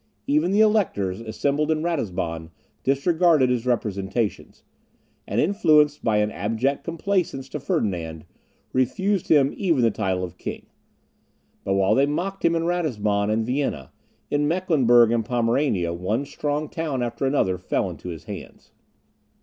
Even the electors, assembled in Ratisbon, disregarded his representations; and, influenced by an abject complaisance to Ferdinand, refused him even the title of king. But while they mocked him in Ratisbon and Vienna, in Mecklenburg and Pomerania, one strong town after another fell into his hands.